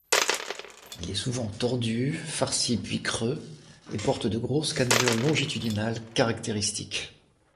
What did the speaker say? Il est souvent tordu, farci puis creux, et porte de grosses cannelures longitudinales caractéristiques.